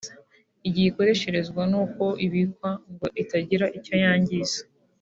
igihe ikoresherezwa n’uko ibikwa ngo itagira icyo yangiza